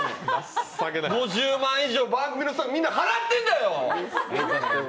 ５０万円以上、番組のスタッフ、みんな払ってんだよ！